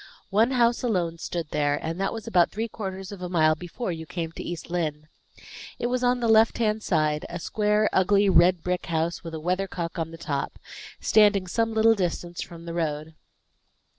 One house alone stood there, and that was about three quarters of a mile before you came to East Lynne. It was on the left hand side, a square, ugly, red brick house with a weathercock on the top, standing some little distance from the road.